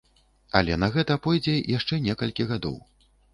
Але на гэта пойдзе яшчэ некалькі гадоў.